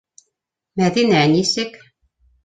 Мәҙинә нисек?